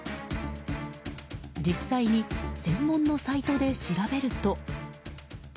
実際に専門のサイトで調べると。